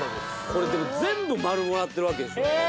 これでも全部マルもらってるわけでしょ？